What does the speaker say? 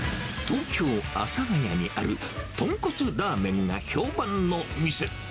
東京・阿佐ヶ谷にある、豚骨ラーメンが評判の店。